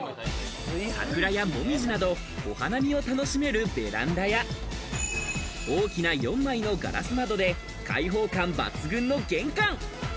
桜や紅葉など、お花見を楽しめるベランダや大きな４枚のガラス窓で開放感抜群の玄関。